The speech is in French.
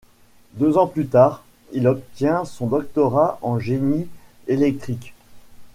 Deux ans plus tard, il obtient son doctorat en génie électrique.